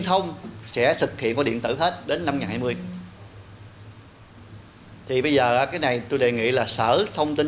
thông sẽ thực hiện qua điện tử hết đến năm hai nghìn hai thì bây giờ cái này tôi đề nghị là sở thông tin